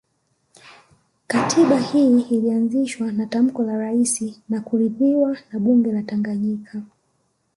Katiba hii ilianzishwa kwa tamko la Rais na kuridhiwa na bunge la Tanganyika